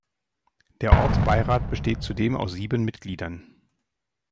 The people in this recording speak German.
Der Ortsbeirat besteht zudem aus sieben Mitgliedern.